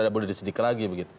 tidak boleh disedihkan lagi